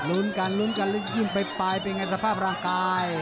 ลุ้นกันลุ้นกันยิ่งไปเป็นไงสภาพร่างกาย